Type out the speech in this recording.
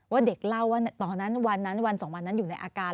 เด็กเล่าว่าตอนนั้นวันนั้นวันสองวันนั้นอยู่ในอาการ